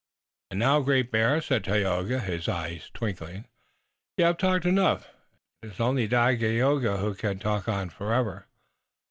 "And now, Great Bear," said Tayoga, his eyes twinkling, "you have talked enough. It is only Dagaeoga who can talk on forever."